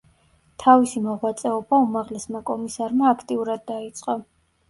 თავისი მოღვაწეობა უმაღლესმა კომისარმა აქტიურად დაიწყო.